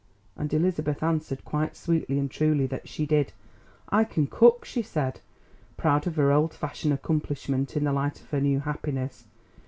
And Elizabeth answered quite sweetly and truly that she did. "I can cook," she said, proud of her old fashioned accomplishment in the light of her new happiness.